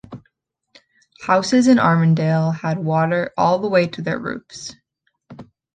Houses in Armourdale had water all the way to their roofs.